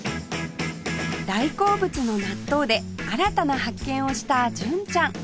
大好物の納豆で新たな発見をした純ちゃん